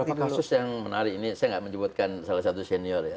kasus yang menarik ini saya nggak menyebutkan salah satu senior ya